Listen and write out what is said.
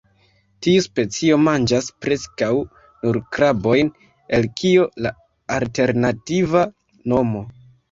Tiu specio manĝas preskaŭ nur krabojn, el kio la alternativa nomo.